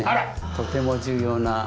とても重要な。